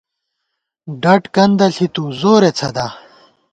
ڈَڈ کندہ ݪِتُو زورے څھدا